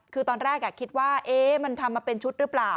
คือตอนแรกคิดว่ามันทำมาเป็นชุดหรือเปล่า